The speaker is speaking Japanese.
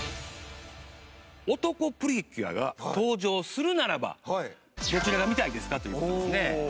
男プリキュアが登場するならばどちらが見たいですか？という事ですね。